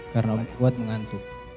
karena om kut mengantuk